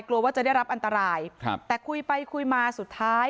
กลัวว่าจะได้รับอันตรายครับแต่คุยไปคุยมาสุดท้าย